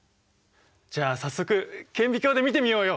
じゃあ早速顕微鏡で見てみようよ！